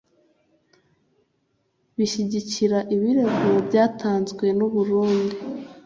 bishyigikira ibirego byatanzwe n urundi